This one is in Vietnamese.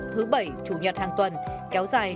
thứ bảy chủ nhật hàng tuần kéo dài